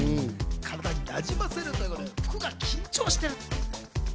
体になじませるということで服が緊張していると。